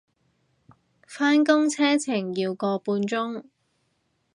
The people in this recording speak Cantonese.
返工車程要個半鐘